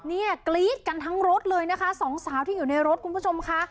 กรี๊ดกันทั้งรถเลยนะคะสองสาวที่อยู่ในรถคุณผู้ชมค่ะ